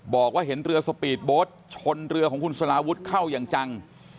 บอกว่าเห็นเรือสปีดโบ๊ทชนเรือของคุณสลาวุฒิเข้าอย่างจัง